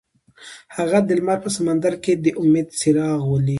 هغه د لمر په سمندر کې د امید څراغ ولید.